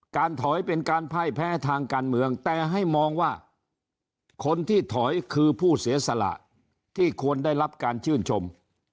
ถอยเป็นการพ่ายแพ้ทางการเมืองแต่ให้มองว่าคนที่ถอยคือผู้เสียสละที่ควรได้รับการชื่นชม